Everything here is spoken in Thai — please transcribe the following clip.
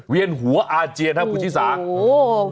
เวียนหัวอาเจียนะคุณพุทธศาสตร์